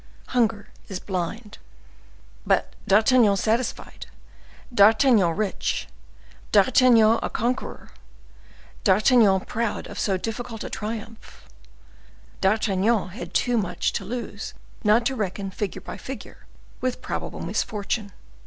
Hunger is blind. But D'Artagnan satisfied—D'Artagnan rich—D'Artagnan a conqueror—D'Artagnan proud of so difficult a triumph—D'Artagnan had too much to lose not to reckon, figure by figure, with probable misfortune.